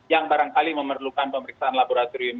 yang barangkali memerlukan pemeriksaan laboratorium